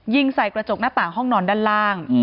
ยิงใส่กระจกหน้าต่างห้องนอนด้านล่าง